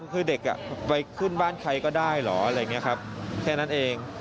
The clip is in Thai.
คือเด็กไปขึ้นบ้านใครก็ได้เหรออะไรอย่างนี้ครับแค่นั้นเอง